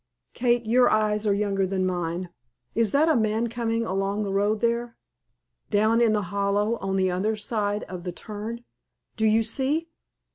Kate, your eyes are younger than mine. Is that a man coming along the road there? down in the hollow on the other side of the turn. Do you see?"